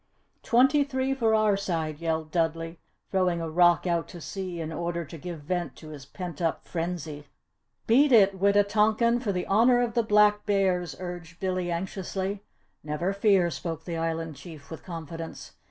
"Twenty three for our side!" yelled Dudley, throwing a rock out to sea in order to give vent to his pent up frenzy. "Beat it, Wita tonkan for the Honour of the Black Bears," urged Billy, anxiously. "Never fear!" spoke the Island Chief with confidence.